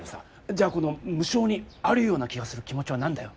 じゃあこの無性にあるような気がする気持ちは何だよ？